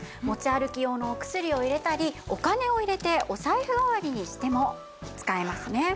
持ち歩き用のお薬を入れたりお金を入れてお財布代わりにしても使えますね。